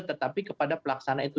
tetapi kepada pelaksana itu